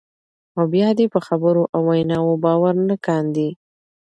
او بیا دې په خبرو او ویناوو باور نه کاندي،